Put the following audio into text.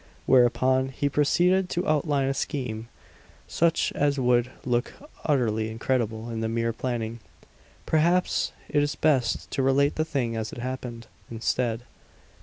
Whereupon he proceeded to outline a scheme such as would look utterly incredible in the mere planning. Perhaps it is best to relate the thing as it happened, instead.